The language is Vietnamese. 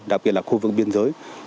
đặc biệt là khu vực biên giới